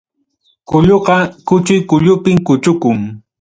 Kulluqa kuchuy kullupim kuchukun.